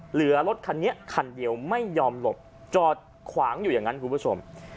รถคันนี้คันเดียวไม่ยอมหลบจอดขวางอยู่อย่างนั้นคุณผู้ชม